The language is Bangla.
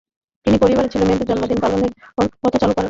তিনি পরিবারে ছেলেমেয়েদের জন্মদিন পালনের প্রথা চালু করেন।